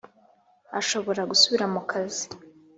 ashobora gusubira mu kazi